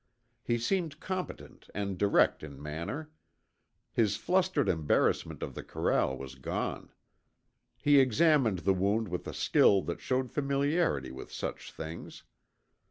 He seemed competent and direct in manner. His flustered embarrassment of the corral was gone. He examined the wound with a skill that showed familiarity with such things.